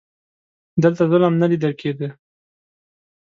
دلته ظلم نه لیده کیږي.